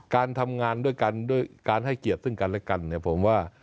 การทำงานด้วยกันด้วยการให้เกียรติซึ่งกันและกันเนี่ยผมว่า